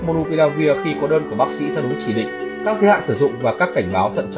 monopiravir khi có đơn của bác sĩ tham đối chỉ định các giới hạn sử dụng và các cảnh báo thận